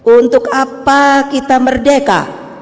untuk apa kita merdeka